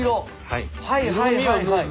はいはいはいはい。